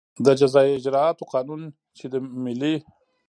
د جزایي اجراآتو قانون چې د ملي